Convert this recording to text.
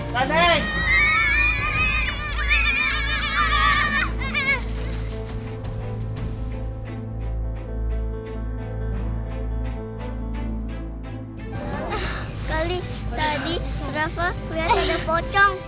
kali tadi rafa lihat ada pocong